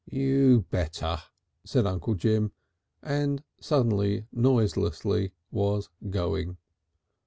"You better," said Uncle Jim, and suddenly, noiselessly, was going.